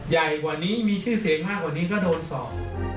ใหญ่กว่านี้มีชื่อเสียงมากกว่านี้ก็โดนสอบ